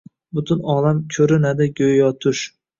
Butun olam ko’rinadi go’yo tush.